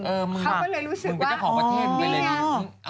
เขาก็เลยรู้สึกว่าโอ้โฮมึงวิทยาของประเทศไปเลย